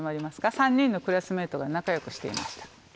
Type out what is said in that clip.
３人のクラスメートが仲良くしていました。